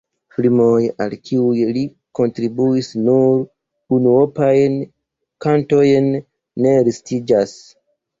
Filmoj, al kiuj li kontribuis nur unuopajn kantojn, ne listiĝas.